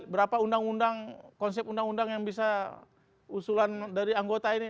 berapa undang undang konsep undang undang yang bisa usulan dari anggota ini